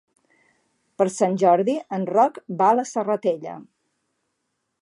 Per Sant Jordi en Roc va a la Serratella.